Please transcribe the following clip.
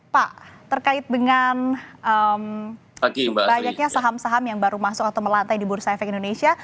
pak terkait dengan banyaknya saham saham yang baru masuk atau melantai di bursa efek indonesia